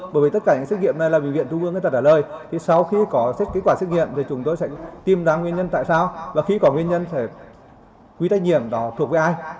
bởi vì tất cả những xét nghiệm này là bệnh viện trung ương đã trả lời sau khi có kết quả xét nghiệm thì chúng tôi sẽ tìm ra nguyên nhân tại sao và khi có nguyên nhân thì quy tắc nhiệm đó thuộc với ai